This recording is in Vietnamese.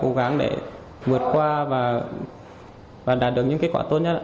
cố gắng để vượt qua và đạt được những kết quả tốt nhất